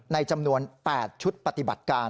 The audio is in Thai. ในจำนวน๘ชุดปฏิบัติการ